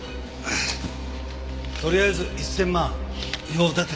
とりあえず１０００万用立ててください。